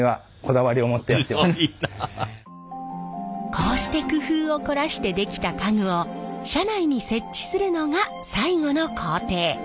こうして工夫を凝らして出来た家具を車内に設置するのが最後の工程。